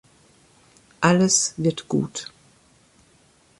Alles wird gut!